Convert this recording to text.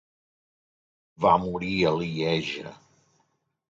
Va morir a Lieja.